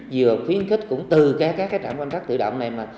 vừa khuyến khích cũng từ các trạm quan chắc tự động này